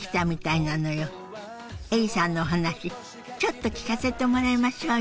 エリさんのお話ちょっと聞かせてもらいましょうよ。